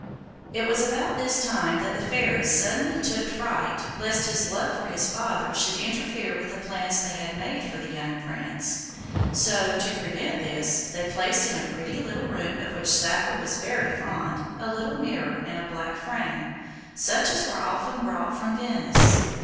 It was about this time that the fairies suddenly took fright lest his love for his father should interfere with the plans they had made for the young prince. So, to prevent this, they placed in a pretty little room of which Saphir was very fond a little mirror in a black frame, such as were often brought from Venice.